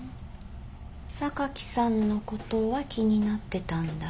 榊さんのことは気になってたんだ。